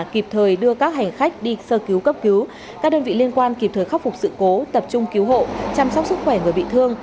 kịp thời đưa các hành khách đi sơ cứu cấp cứu các đơn vị liên quan kịp thời khắc phục sự cố tập trung cứu hộ chăm sóc sức khỏe người bị thương